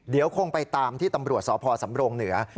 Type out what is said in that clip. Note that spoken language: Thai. เดี๋ยวคงไปตามที่ตำรวจสพสำรงเหนือ